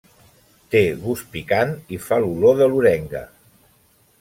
Té gust picant i fa l'olor de l'orenga.